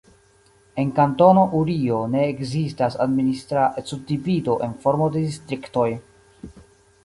En Kantono Urio ne ekzistas administra subdivido en formo de distriktoj.